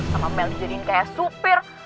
sama mel dijadiin kayak supir